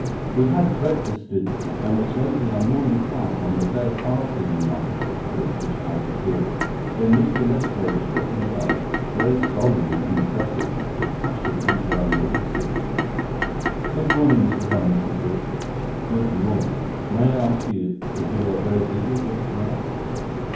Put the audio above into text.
We had breakfasted and were smoking our morning pipe on the day after the remarkable experience which I have recorded when Mr. Lestrade, of Scotland Yard, very solemn and impressive, was ushered into our modest sitting room. "Good morning, Mr. Holmes," said he; "good morning. May I ask if you are very busy just now?"